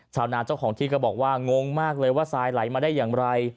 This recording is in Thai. ชาวนาเจ้าของที่ก็บอกว่างงมากเลยว่าทรายไหลมาได้อย่างไร